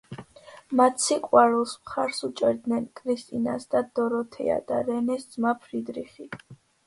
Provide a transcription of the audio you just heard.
მათ სიყვარულს მხარს უჭერდნენ კრისტინას და დოროთეა და რენეს ძმა ფრიდრიხი.